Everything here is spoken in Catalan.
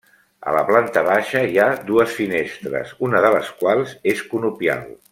A la planta baixa hi ha dues finestres, una de les quals és conopial.